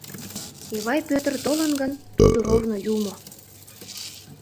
— Эвай Пӧтыр толын гын, тудо ровно юмо...